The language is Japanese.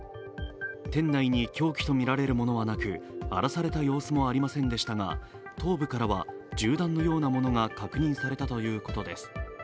店内に凶器と見られるものもなく荒らされた様子もありませんでしたが頭部からは銃弾のようなものが確認されたということです。